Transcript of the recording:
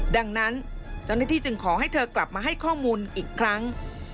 ดังนั้นเจ้าหน้าที่จึงขอให้เธอกลับมาให้ข้อมูลอีกครั้ง